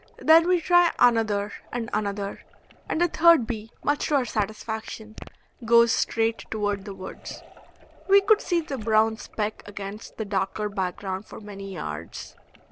Then we try another and another, and the third bee, much to our satisfaction, goes straight toward the woods. We could see the brown speck against the darker background for many yards.